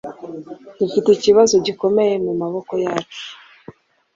Dufite ikibazo gikomeye mumaboko yacu.